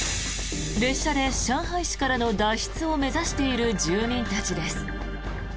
列車で上海市からの脱出を目指している住民たちです。